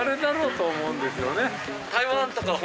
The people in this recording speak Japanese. と思うんですよね。